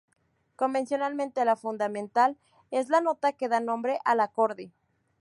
Convencionalmente la fundamental es la nota que da nombre al acorde.